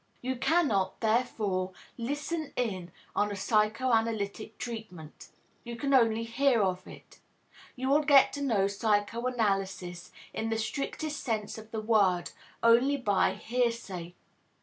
You cannot, therefore, "listen in" on a psychoanalytic treatment. You can only hear of it. You will get to know psychoanalysis, in the strictest sense of the word, only by hearsay.